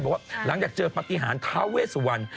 บอกว่าหลังจากเจอปฏิหารท้าเวสวัน